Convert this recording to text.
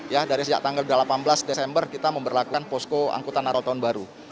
ya dari sejak tanggal delapan belas desember kita memperlakukan posko angkutan naro tahun baru